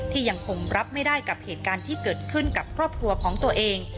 ยังคงรับไม่ได้กับเหตุการณ์ที่เกิดขึ้นกับครอบครัวของตัวเอง